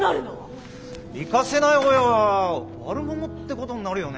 行かせない親は悪者ってことになるよね。